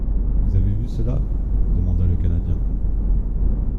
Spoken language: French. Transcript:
—Vous avez vu cela ? demanda le Canadien.